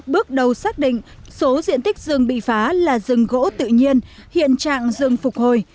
bước đầu xác định số diện tích rừng bị phá là rừng gỗ tự nhiên hiện trạng rừng phục hồi